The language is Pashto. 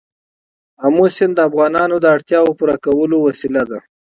آمو سیند د افغانانو د اړتیاوو د پوره کولو وسیله ده.